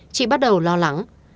chị bắt đầu lo lắng